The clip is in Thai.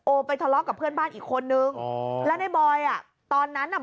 ไปทะเลาะกับเพื่อนบ้านอีกคนนึงอ๋อแล้วในบอยอ่ะตอนนั้นน่ะ